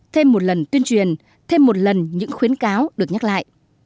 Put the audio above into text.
thêm một lần tuyên truyền thêm một lần những khuyến cáo được nhắc lại